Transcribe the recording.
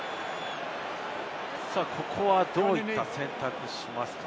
ここは、どういった選択をしますか？